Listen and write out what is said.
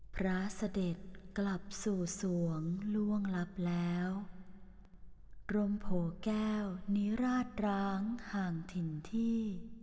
พระเสด็จกลับสู่สวงล่วงลับแล้วกรมโผแก้วนิราชร้างห่างถิ่นที่